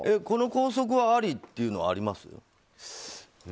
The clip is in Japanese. この校則はありっていうのはあります？